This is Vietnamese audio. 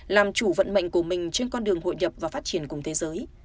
làm chủ vận mệnh của mình trên con đường hội nhập và phát triển cùng thế giới